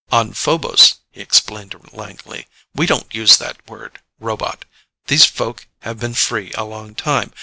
"On Phobos," he explained to Langley, "we don't use that word 'robot.' These folk have been free a long time.